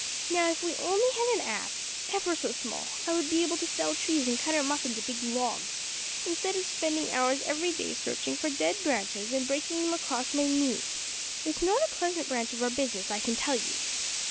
Now, if we only had an axe ever so small I would be able to fell trees and cut 'em up into big logs, instead of spending hours every day searching for dead branches and breaking them across my knee. It's not a pleasant branch of our business, I can tell you."